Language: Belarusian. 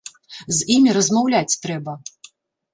З імі размаўляць трэба.